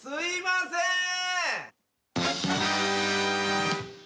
すいません。